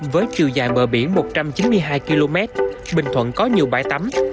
với chiều dài bờ biển một trăm chín mươi hai km bình thuận có nhiều bãi tắm